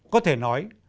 có thể nói